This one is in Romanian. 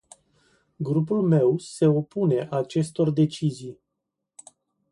Grupul meu se opune acestor decizii.